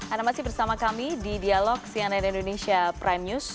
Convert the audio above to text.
anda masih bersama kami di dialog cnn indonesia pranyus